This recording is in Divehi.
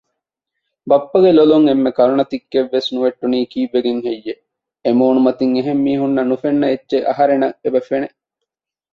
ބައްޕަގެ ލޮލުން އެންމެ ކަރުނަ ތިއްކެއްވެސް ނުވެއްޓުނީ ކީއްވެގެން ހެއްޔެވެ؟ އެމޫނުމަތިން އެހެންމީހުންނަށް ނުފެންނަ އެއްޗެއް އަހަރެނަށް އެބަފެނެ